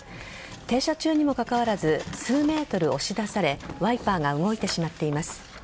停車中にもかかわらず数ｍ、押し出されワイパーが動いてしまっています。